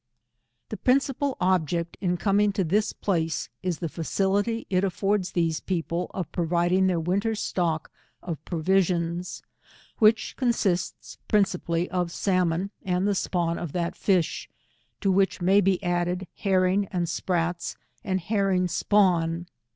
The principal object in coming to this place, is the facility it affords these people of providing their winter stock of provisions, which consists princi pally of salmon, and the spawn of that fish; to which may be added herrings and sprats, and herring spawn.